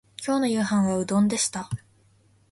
今日の夕飯はうどんでした